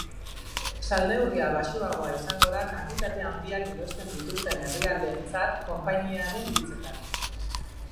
Salneurria baxuagoa izango da kantitate handiak erosten dituzten herrialdeentzat, konpainiaren hitzetan.